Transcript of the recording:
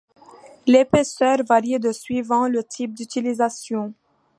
L'épaisseur varie de suivant le type d'utilisation.